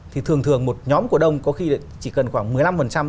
thì thường thường một nhóm cổ đông có khi chỉ cần khoảng một triệu đồng